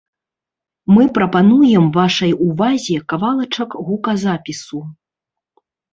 Мы прапануем вашай увазе кавалачак гуказапісу.